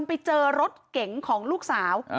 แล้วไปเจอรถเก่งของลูกสาว